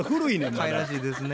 かいらしいですね。